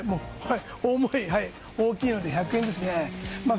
大きいので１００円ですね。